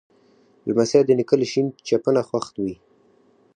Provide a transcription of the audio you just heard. لمسی د نیکه له شین چپنه خوښ وي.